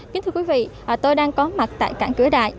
kính thưa quý vị tôi đang có mặt tại cảng cửa đại